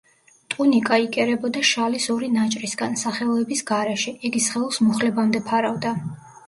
ტუნიკა იკერებოდა შალის ორი ნაჭრისგან, სახელოების გარეშე, იგი სხეულს მუხლებამდე ფარავდა.